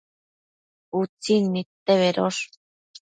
Utsin nidte bedosh